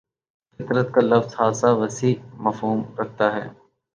فطرت کا لفظ خاصہ وسیع مفہوم رکھتا ہے